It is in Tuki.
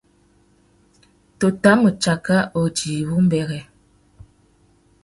Tu tà ma tsaka udjï wumbêrê.